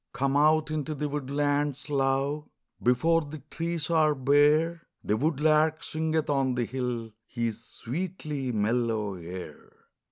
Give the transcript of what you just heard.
COME out into the woodlands, love, Before the trees are bare ; The woodlark singeth on the hill His sweetly mellow air.